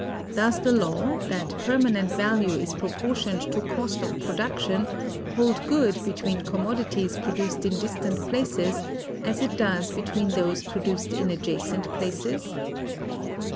Does the law, that permanent value is proportioned to cost of production, hold good between commodities produced in distant places, as it does between those produced in adjacent places?